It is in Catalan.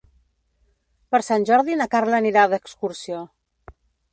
Per Sant Jordi na Carla anirà d'excursió.